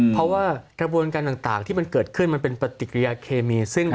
เพราะว่ากระบวนการต่างที่มันเกิดขึ้นมันเป็นปฏิกิริยาเคมีซึ่ง